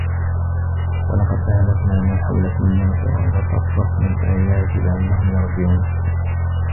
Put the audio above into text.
وَلَقَد أَهلَكنا ما حَولَكُم مِنَ القُرى وَصَرَّفنَا الآياتِ لَعَلَّهُم يَرجِعونَ